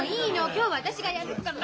今日は私がやるから。